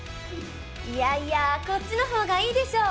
いやいやこっちの方がいいでしょ！